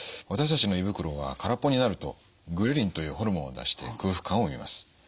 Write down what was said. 私たちの胃袋は空っぽになるとグレリンというホルモンを出して空腹感を生みます。